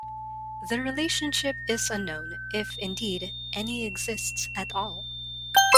The relationship is unknown, if indeed any exists at all.